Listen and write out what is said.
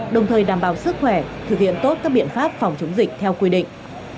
đồng thời đảm bảo sức khỏe thực hiện tốt các biện pháp phòng chống dịch theo quy định